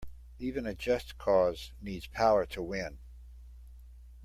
Even a just cause needs power to win.